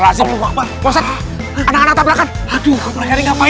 astaghfirullahaladzim lu apa apa